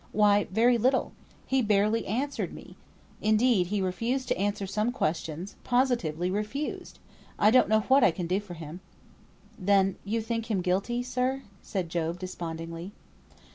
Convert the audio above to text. "Why, very little. He barely answered me. Indeed, he refused to answer some questions positively refused. I don't know what I can do for him." "Then you think him guilty, sir?" said Job, despondingly.